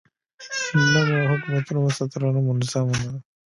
نه مو حکومتونه وساتل او نه مو نظامونه.